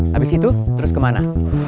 habis itu terus kemana